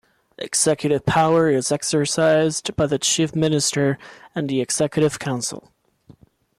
Executive power is exercised by the Chief Minister and the Executive Council.